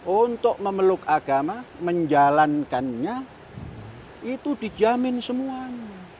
untuk memeluk agama menjalankannya itu dijamin semuanya